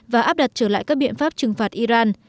và áp đặt trở lại các biện pháp trừng phạt iran